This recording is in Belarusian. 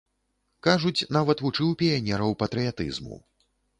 Кажуць, нават вучыў піянераў патрыятызму.